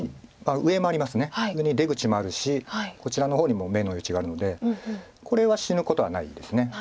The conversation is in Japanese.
上に出口もあるしこちらの方にも眼の余地があるのでこれは死ぬことはないです。